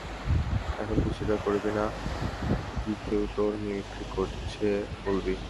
এখন কি স্বীকার করবি না-কি কেউ তোর মিমিক্রি করেছে বলবি?